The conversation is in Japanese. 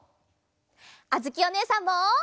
あづきおねえさんも！